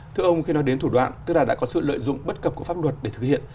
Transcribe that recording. thưa ông khi nói đến thủ đoạn tức là đã có sự lợi dụng bất cập của pháp luật để thực hiện